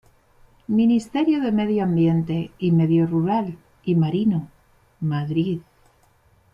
Ministerio de Medio Ambiente y Medio Rural y Marino, Madrid.